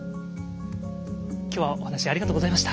今日はお話ありがとうございました。